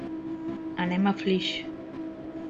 Anem a Flix.